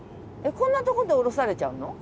こんなとこで降ろされちゃうの？